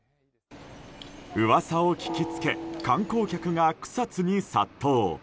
噂を聞きつけ観光客が草津に殺到。